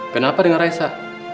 kenapa dengan raisa